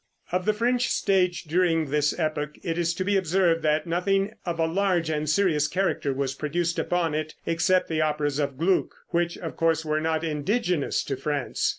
Of the French stage during this epoch it is to be observed that nothing of a large and serious character was produced upon it, except the operas of Gluck, which of course were not indigenous to France.